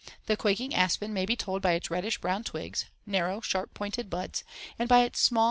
The quaking aspen may be told by its reddish brown twigs, narrow sharp pointed buds, and by its small finely toothed leaves.